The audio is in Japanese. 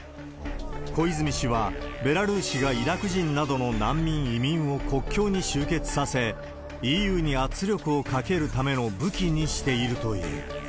小泉氏はベラルーシがイラク人などの難民、移民を国境に集結させ、ＥＵに圧力をかけるための武器にしているという。